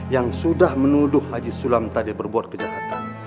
yang sudah menuduh haji sulam tadi berbuat kejahatan